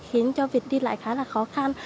khiến cho việc đi lại khá là khó khăn